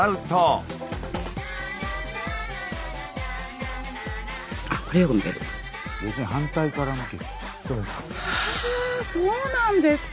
はあそうなんですか。